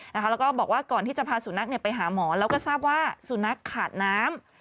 แล้วก็บอกว่าก่อนที่จะพาสุนัขไปหาหมอแล้วก็ทราบว่าสุนัขขาดน้ำ